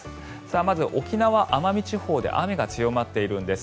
まず、沖縄・奄美地方で雨が強まっているんです。